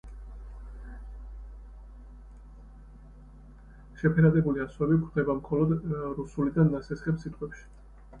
შეფერადებული ასოები გვხვდება მხოლოდ რუსულიდან ნასესხებ სიტყვებში.